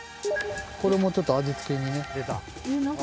これもちょっと、味付けにね。